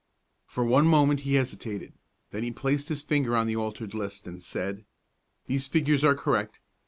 For one moment he hesitated; then he placed his finger on the altered list, and said: "These figures are correct.